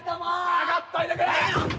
下がっといてくれ！